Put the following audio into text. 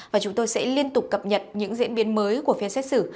và chúng tôi sẽ liên tục cập nhật những diễn biến mới của phiên xét xử